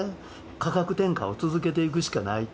価格転嫁を続けていくしかない。